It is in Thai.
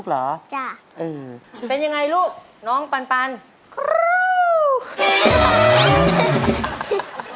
โฮลาเลโฮลาเลโฮลาเล